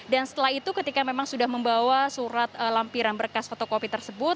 dan setelah itu ketika memang sudah membawa surat lampiran berkas fotokopi tersebut